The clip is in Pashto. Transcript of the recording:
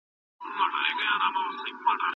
آیا قانون د ټولنې د نظم لپاره اړین دی؟